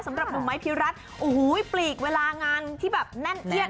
สำหรับหนุ่มไม้พิรัตน์โอ้โหปลีกเวลางานที่แบบแน่นเอียด